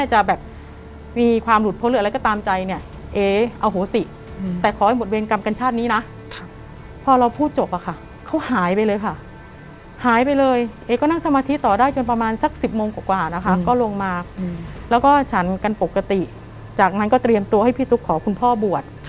เหมือนมาดักจะตีดักจะฟันอะไรอย่างนี้นะครับ